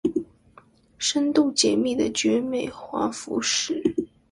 深度解密的絕美華服史